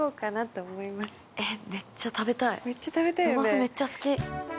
生麩めっちゃ好き。